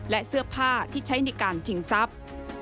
และเสื้อผ้าที่ใช้ในการชิงทรัพย์